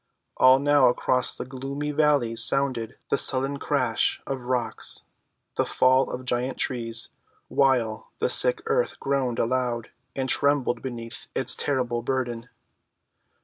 And now across the gloomy valleys sounded the sullen crash of rocks, the fall of giant trees, while the sick earth groaned aloud and trembled beneath its terrible burden.